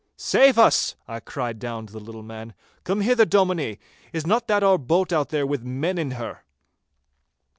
'Save us!' I cried down to the little man. 'Come hither, Dominie. Is not that our boat out there with men in her?